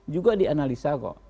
juga dianalisa kok